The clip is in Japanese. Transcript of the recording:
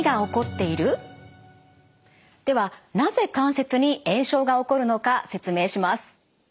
ではなぜ関節に炎症が起こるのか説明します。